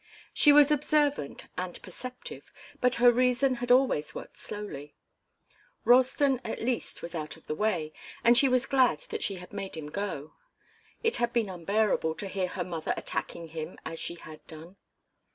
She was observant and perceptive, but her reason had always worked slowly. Ralston, at least, was out of the way, and she was glad that she had made him go. It had been unbearable to hear her mother attacking him as she had done.